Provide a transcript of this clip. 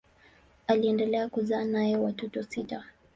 Aliendelea kuzaa naye watoto sita.